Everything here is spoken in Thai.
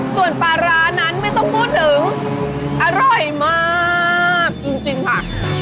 ส่วนปลาร้านั้นไม่ต้องพูดถึงอร่อยมากจริงค่ะ